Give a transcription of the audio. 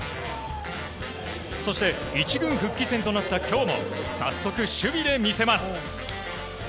そして１軍復帰戦となった今日も早速、守備で見せます。